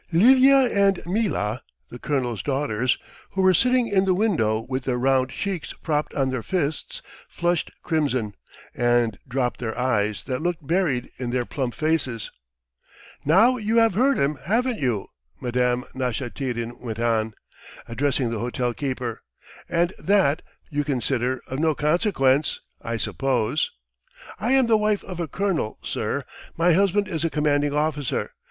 ..." Lilya and Mila, the colonel's daughters, who were sitting in the window with their round cheeks propped on their fists, flushed crimson and dropped their eyes that looked buried in their plump faces. "Now you have heard him, haven't you?" Madame Nashatyrin went on, addressing the hotel keeper. "And that, you consider, of no consequence, I suppose? I am the wife of a colonel, sir! My husband is a commanding officer.